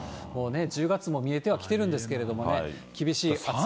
１０月も見えてはきてるんですけどもね、厳しい暑さ。